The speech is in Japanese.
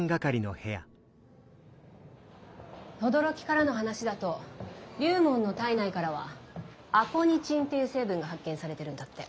轟からの話だと龍門の体内からはアコニチンっていう成分が発見されてるんだって。